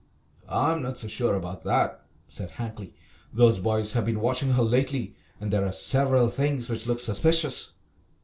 "I'm not so sure about that," said Hankly. "Those boys have been watching her lately, and there are several things which look suspicious."